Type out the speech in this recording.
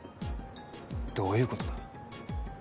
どういうことだ？